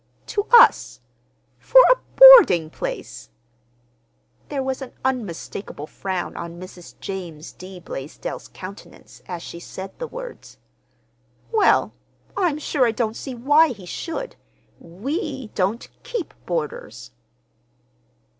"To us—for a boarding place!" There was an unmistakable frown on Mrs. James D. Blaisdell's countenance as she said the words. "Well, I'm sure I don't see why he should. we don't keep boarders!"